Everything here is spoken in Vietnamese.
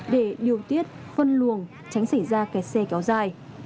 để điều tiết phân luồng tránh xảy ra kẹt xe kéo dài